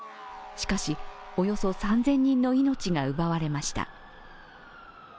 しかし、およそ３０００人の命が奪われました。